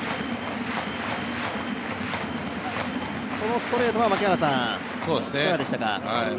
このストレートはいかがでしたか。